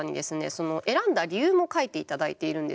その選んだ理由も書いていただいているんですけれど。